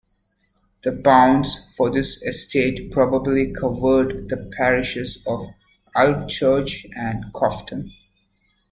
The bounds for this estate probably covered the parishes of Alvechurch and Cofton.